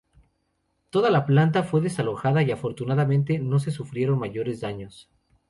Toda la planta fue desalojada y, afortunadamente, no se sufrieron mayores daños.